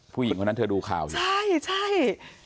ผู้หญิงคนนั้นเธอดูข่าวอยู่ใช่ใช่